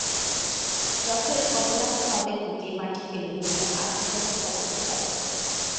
যশোরের কপোতাক্ষ নদের বুকে মাটি ফেলে নদী আত্মসাতের খবর প্রকাশিত হয়েছে।